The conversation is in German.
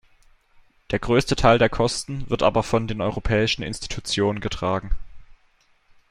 Der größte Teil der Kosten wird aber von den europäischen Institutionen getragen.